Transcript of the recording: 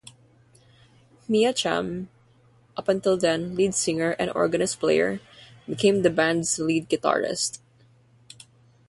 Meacham, up until then lead singer and organ player, became the band's lead guitarist.